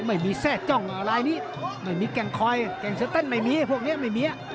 ไม่มีแทรกจ้องลายนี้ไม่มีแก่งคอยแก่งเสือเต้นไม่มีพวกนี้ไม่มี